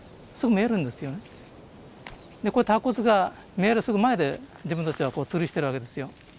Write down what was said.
こうやって白骨が見えるすぐ前で自分たちは釣りしてるわけですよ。